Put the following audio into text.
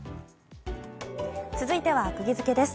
続いてはクギヅケです。